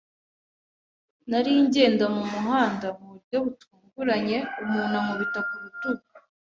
Nari ngenda mu muhanda, mu buryo butunguranye umuntu ankubita ku rutugu.